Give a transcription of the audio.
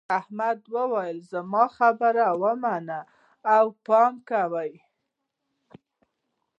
احمد وویل زما خبره ومنه او پام کوه.